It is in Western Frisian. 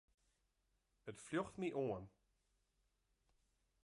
It fljocht my oan.